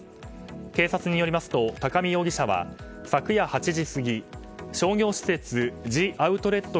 警察によりますと高見容疑者は昨夜８時過ぎ、商業施設ジアウトレット